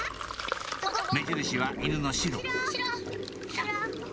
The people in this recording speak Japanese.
目印は犬のシロシロ。